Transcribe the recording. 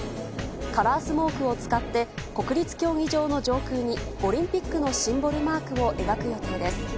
カラースモークを使って国立競技場の上空にオリンピックのシンボルマークを描く予定です。